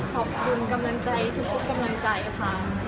ขอบคุณกำลังใจทุกกำลังใจค่ะ